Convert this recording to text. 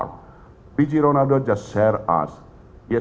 rpc ronaldo baru saja berbagi kepada kami